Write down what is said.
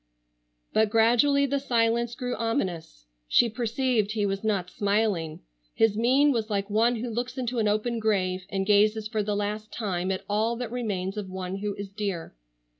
But gradually the silence grew ominous. She perceived he was not smiling. His mien was like one who looks into an open grave, and gazes for the last time at all that remains of one who is dear.